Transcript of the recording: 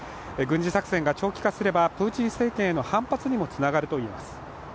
軍事作戦が長期化すれば、プーチン政権への反発にもつながるといいます。